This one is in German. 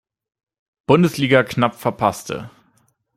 Bundesliga knapp verpasste.